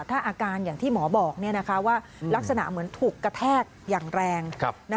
ถ้าอาการอย่างที่หมอบอกว่าลักษณะเหมือนถูกกระแทกอย่างแรง